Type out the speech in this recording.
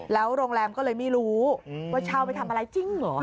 แล้วโรงแรมก็เลยไม่รู้ว่าเช่าไปทำอะไรจริงเหรอ